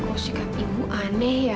oh sikap ibu aneh ya